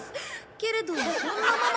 「けれどそんなママ」。